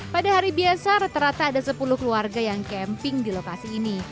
pada hari biasa rata rata ada sepuluh keluarga yang camping di lokasi ini